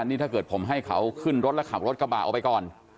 นี่ถ้าเกิดผมให้เขาขึ้นรถแล้วขับรถกระบะออกไปก่อน